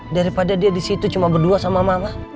daripada dia disitu cuma berdua sama mama